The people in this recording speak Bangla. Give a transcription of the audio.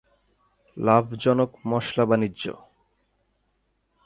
লাভজনক মশলা-বাণিজ্য।